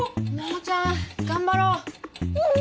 桃ちゃん頑張ろう。